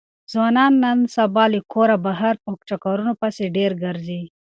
ځوانان نن سبا له کوره بهر په چکرونو پسې ډېر ګرځي.